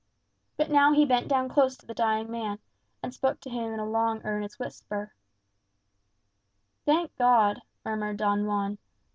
But now he bent down close to the dying man, and spoke to him in a long earnest whisper. "Thank God," murmured Don Juan.